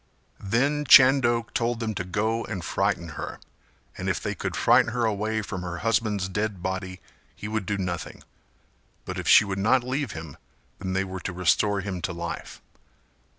Then Chando told them to go and frighten her, and if they could frighten her away from her husband's dead body he would do nothing, but if she would not leave him then they were to restore him to life.